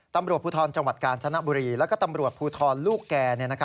ตำรวจภูทรจนบุรีแล้วตำรวจภูทรลูกแก